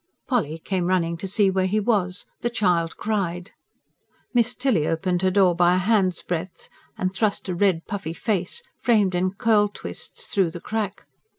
Polly came running to see where he was, the child cried, Miss Tilly opened her door by a hand's breadth, and thrust a red, puffy face, framed in curl twists, through the crack.